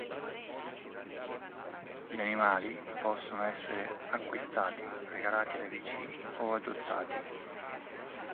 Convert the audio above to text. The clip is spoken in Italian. Gli animali possono essere acquistati, regalati dai vicini o adottati.